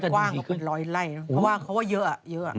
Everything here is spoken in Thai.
กว้างเขาเป็นรอยไล่เพราะว่าเขาว่าเยอะ